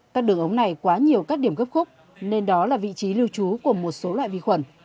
các đường ống này quá nhiều các điểm gấp khúc nên đó là vị trí lưu trú của một số loại vi khuẩn